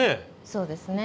そうですね。